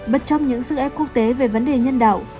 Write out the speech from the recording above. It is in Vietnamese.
bất chấp những sức ép quốc tế về vấn đề nhân đạo